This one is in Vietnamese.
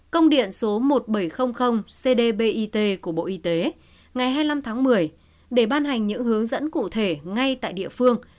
công điện số một nghìn bảy trăm linh cdbit của bộ y tế ngày hai mươi năm tháng một mươi để ban hành những hướng dẫn cụ thể ngay tại địa phương